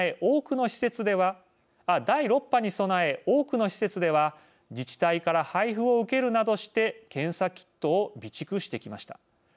第６波に備え、多くの施設では自治体から配布を受けるなどして検査キットを備蓄してきました。